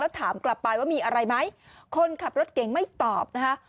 ถามกลับไปว่ามีอะไรไหมคนขับรถเก่งไม่ตอบนะคะ